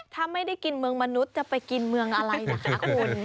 ถ้าไม่ได้กินเมืองมนุษย์จะไปกินเมืองอะไรล่ะคะคุณ